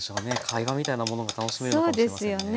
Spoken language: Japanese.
会話みたいなものが楽しめるのかもしれませんね。